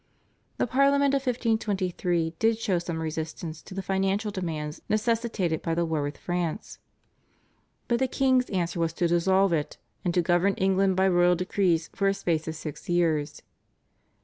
The Parliament of 1523 did show some resistance to the financial demands necessitated by the war with France, but the king's answer was to dissolve it, and to govern England by royal decrees for a space of six years.